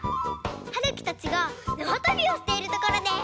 はるきたちがなわとびをしているところです。